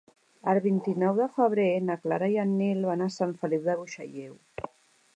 El vint-i-nou de febrer na Clara i en Nil van a Sant Feliu de Buixalleu.